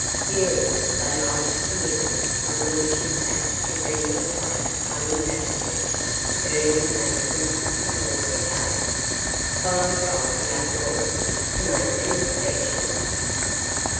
Fearing that they might have committed some malicious act to render the place uninhabitable, Ernie hastened toward the cave, followed by the other boys, to make an inspection.